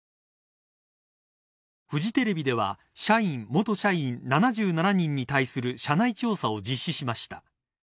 フジテレビでは社員・元社員７７人に対する社内調査を実施しました。